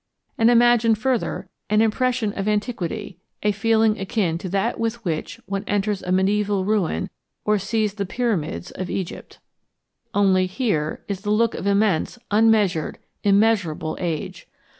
And imagine further an impression of antiquity, a feeling akin to that with which one enters a mediæval ruin or sees the pyramids of Egypt. Only here is the look of immense, unmeasured, immeasurable age.